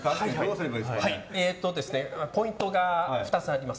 ポイントが２つあります。